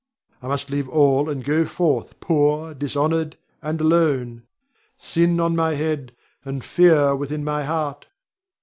I must leave all and go forth poor, dishonored, and alone; sin on my head, and fear within my heart.